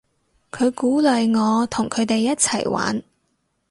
佢鼓勵我同佢哋一齊玩